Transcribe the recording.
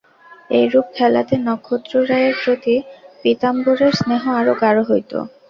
এইরূপ খেলাতে নক্ষত্ররায়ের প্রতি পীতাম্বরের স্নেহ আরো গাঢ় হইত।